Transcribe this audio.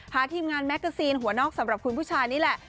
ทีมงานแมกกาซีนหัวนอกสำหรับคุณผู้ชายนี่แหละ